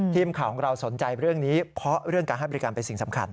ทีมข่าวของเราสนใจเรื่องนี้เพราะเรื่องการให้บริการเป็นสิ่งสำคัญ